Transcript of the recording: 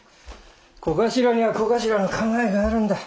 小頭には小頭の考えがあるんだ。